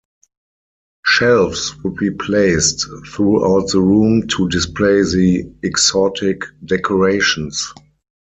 Shelves would be placed throughout the room to display the exotic decorations.